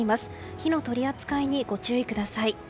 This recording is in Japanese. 火の取り扱いにご注意ください。